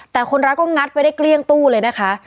แต่คนร้ายก็งัดไว้ได้เกลี้ยงตู้เลยนะคะ